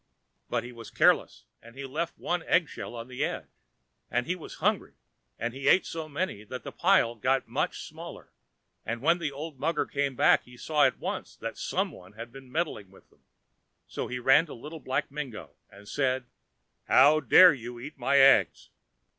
But he was careless, and he left one egg shell on the edge, and he was hungry, and he ate so many that the pile got much smaller, and when the old mugger came back he saw at once that some one had been meddling with them. So he ran to Little Black Mingo, and said, "How dare you eat my eggs?"